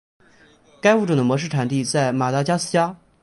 该物种的模式产地在马达加斯加。